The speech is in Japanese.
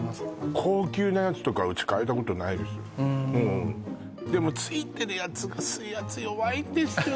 高級なやつとかうちかえたことないですうんでも付いてるやつが水圧弱いんですよ